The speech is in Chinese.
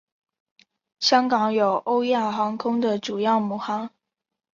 香港有欧亚航空的主要母港。